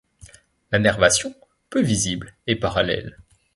La nervation, peu visible, est parallèle.